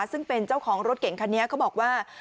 ซึ่งเป็นเจ้าของรถเก่งคันนี้เขาบอกว่า